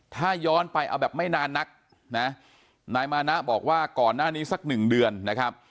ถ้าย้อนไปเอาแบบไม่นานนักนะนายมานะบอกว่าก่อนหน้านี้สักหนึ่งเดือนนะครับ